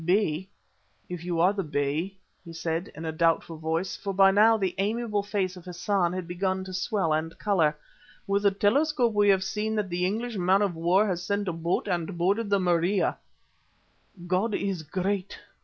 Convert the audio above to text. "Bey if you are the Bey," he said, in a doubtful voice, for by now the amiable face of Hassan had begun to swell and colour, "with the telescope we have seen that the English man of war has sent a boat and boarded the Maria." "God is great!"